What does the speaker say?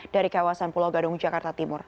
dari kawasan pulau gadung jakarta timur